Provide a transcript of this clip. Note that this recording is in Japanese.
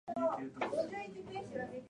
天皇陛下はとても偉い人だ